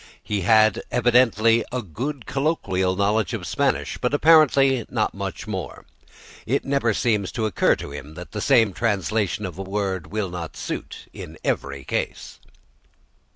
He had evidently a good colloquial knowledge of Spanish, but apparently not much more. It never seems to occur to him that the same translation of a word will not suit in every case.